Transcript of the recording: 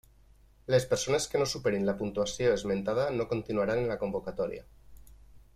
Les persones que no superin la puntuació esmentada no continuaran en la convocatòria.